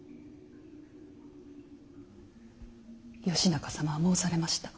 義仲様は申されました。